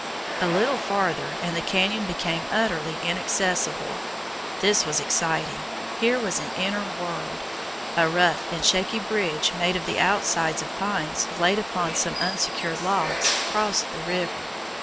A little farther, and the canyon became utterly inaccessible. This was exciting; here was an inner world. A rough and shaky bridge, made of the outsides of pines laid upon some unsecured logs, crossed the river.